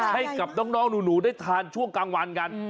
ให้กับน้องหนูได้ทานช่วงกลางวันกัน